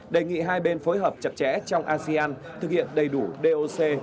đề nghị hai bên phối hợp chặt chẽ trong asean thực hiện đầy đủ doc